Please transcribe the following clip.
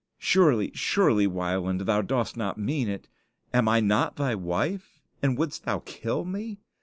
"Surely, surely, Wieland, thou dost not mean it. Am I not thy wife? and wouldst thou kill me?